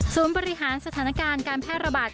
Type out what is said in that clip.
บริหารสถานการณ์การแพร่ระบาด